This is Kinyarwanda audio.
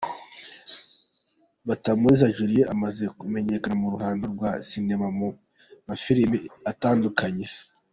Batamuriza Juliet, amaze kumenyekana mu ruhando rwa sinema mu mafilimi atandukanye.